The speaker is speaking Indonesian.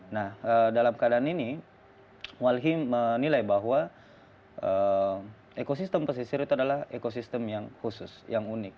nah dalam keadaan ini walhi menilai bahwa ekosistem pesisir itu adalah ekosistem yang khusus yang unik